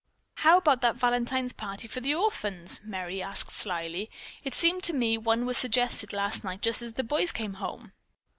"How about that Valentine party for the orphans?" Merry asked slyly. "It seems to me one was suggested last night just as the boys came home."